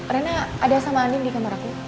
rina ada sama andin di kamar aku